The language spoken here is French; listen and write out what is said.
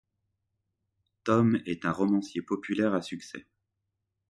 Tom est un romancier populaire à succès.